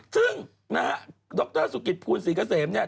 ซึ่งนะฮะดรสุกิตภูลศรีเกษมเนี่ย